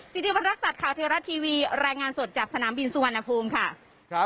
สิริวัณรักษัตริย์ข่าวเทวรัฐทีวีรายงานสดจากสนามบินสุวรรณภูมิค่ะ